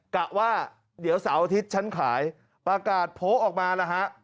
กะว่าเดี๋ยวเสาร์อาทิตย์ฉันขายประกาศโพลออกมาแล้วฮะ